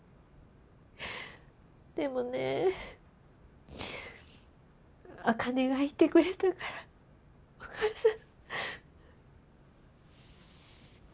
でもね茜がいてくれたからお母さん。